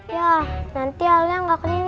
ya nanti aldya nggak kena nyang